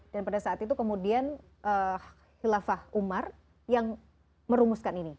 dan pada saat itu kemudian khilafah umar yang merumuskan ini